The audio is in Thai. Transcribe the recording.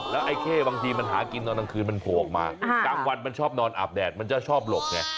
แล้วไอ้เข้บางทีมันหากินตอนกลางคืนมันโผล่ออกมากลางวันมันชอบนอนอาบแดดมันจะชอบหลบไง